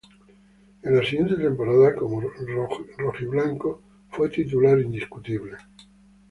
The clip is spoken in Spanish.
En la siguiente temporada como rojiblanco fue titular indiscutible.